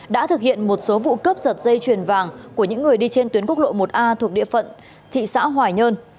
đã thực hiện một số vụ cướp giật dây chuyền vàng của những người đi trên tuyến quốc lộ một a thuộc địa phận thị xã hoài nhơn